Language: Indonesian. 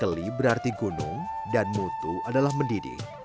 keli berarti gunung dan mutu adalah mendidih